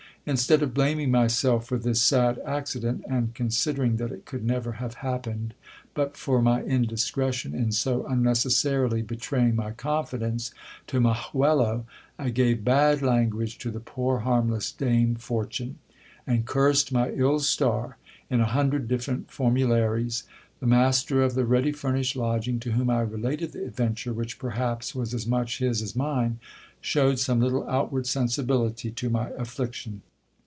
Instead of blaming myself for this sad accident, and considering that it could never have happened but for my indiscretion in so unnecessarily betraying my confidence to Majuelo, I gave bad language to the poor harmless dame fortune, and cursed my ill star in a hundred different formularies. The master of the ready furnished lodging, to whom I related the adventure, which perhaps was as much his as mine, showed some little outward sensibility to my affliction.